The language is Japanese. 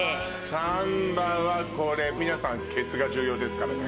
サンバはこれ皆さんケツが重要ですからね。